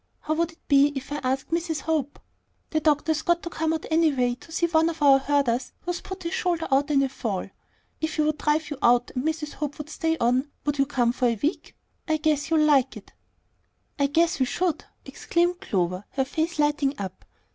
How would it be if I asked Mrs. Hope? The doctor's got to come out anyway to see one of our herders who's put his shoulder out in a fall. If he would drive you out, and Mrs. Hope would stay on, would you come for a week? I guess you'll like it." "I 'guess' we should," exclaimed Clover, her face lighting up.